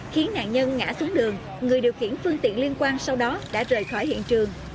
khiến nạn nhân ngã xuống đường người điều khiển phương tiện liên quan sau đó đã rời khỏi hiện trường